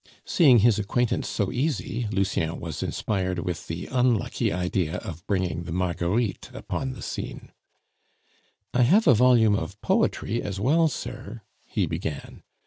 Seeing his acquaintance so easy, Lucien was inspired with the unlucky idea of bringing the Marguerites upon the scene. "I have a volume of poetry as well, sir " he began.